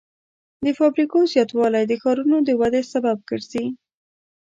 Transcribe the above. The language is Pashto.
د فابریکو زیاتوالی د ښارونو د ودې سبب ګرځي.